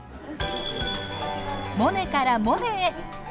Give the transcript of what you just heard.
モネから萌音へ。